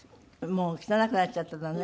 もう汚くなっちゃってたのね。